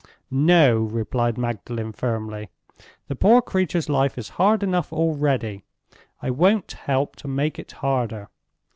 "No!" replied Magdalen, firmly. "The poor creature's life is hard enough already; I won't help to make it harder.